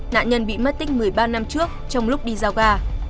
nạn nhân bị mất tích một mươi ba năm trước trong lúc đi giao ca